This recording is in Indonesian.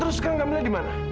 terus kak kamilah di mana